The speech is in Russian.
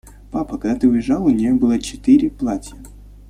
Папа, когда ты уезжал, у нее было четыре платья.